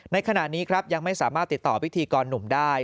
ในขณะนี้ครับยังไม่สามารถติดต่อพิธีกรหนุ่มได้